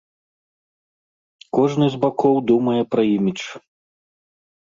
Кожны з бакоў думае пра імідж.